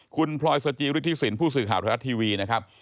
คุณพลอยสจิฤทธิสินผู้สื่อข่าวไทยรัฐทีวีนะครับ